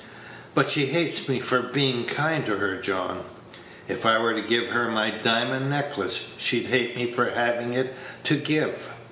"But she hates me for being kind to her, John. If I were to give her my diamond necklace, she'd hate me for having it to give.